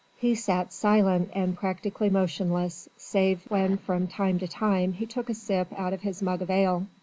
He sat silent and practically motionless, save when from time to time he took a sip out of his mug of ale.